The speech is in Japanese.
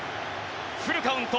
フルカウント。